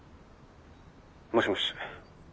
もしもし。